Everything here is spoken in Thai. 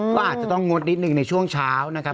ก็อาจจะต้องงดนิดนึงในช่วงเช้านะครับ